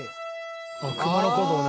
熊野古道ね。